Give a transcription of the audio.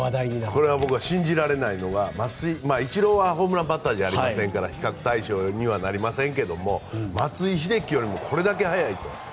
これ信じられないのはイチローはホームランバッターじゃありませんから比較対象にはなりませんが松井秀喜よりもこれだけ早いと。